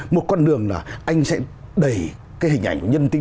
một con đường là anh sẽ đẩy cái hình ảnh nhân tính